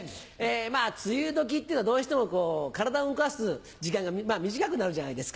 まぁ梅雨時っていうのはどうしても体動かす時間が短くなるじゃないですか。